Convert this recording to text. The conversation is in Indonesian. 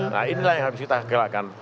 nah inilah yang harus kita gerakkan